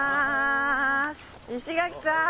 石垣さん！